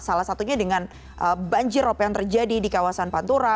salah satunya dengan banjirop yang terjadi di kawasan pantura